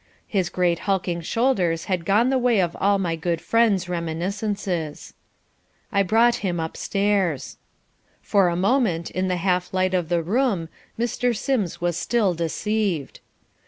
His great hulking shoulders had gone the way of all my good friend's reminiscences. I brought him upstairs. For a moment, in the half light of the room, Mr. Sims was still deceived.